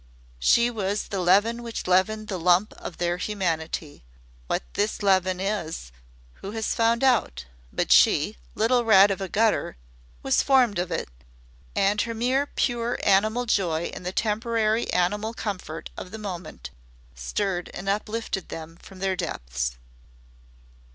She was the leaven which leavened the lump of their humanity. What this leaven is who has found out? But she little rat of the gutter was formed of it, and her mere pure animal joy in the temporary animal comfort of the moment stirred and uplifted them from their depths.